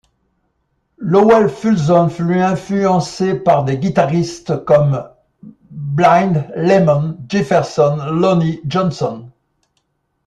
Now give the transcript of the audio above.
Lowell Fulson fut influencé par des guitaristes comme, Blind Lemon Jefferson, Lonnie Johnson.